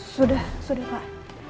sudah sudah pak